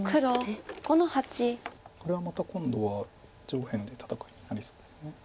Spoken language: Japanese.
これはまた今度は上辺で戦いになりそうです。